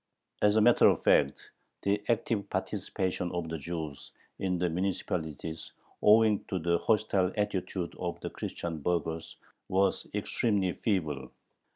" As a matter of fact, the active participation of the Jews in the municipalities, owing to the hostile attitude of the Christian burghers, was extremely feeble.